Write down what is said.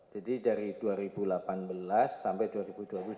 jadi dari dua ribu delapan belas sampai dua ribu dua puluh tujuh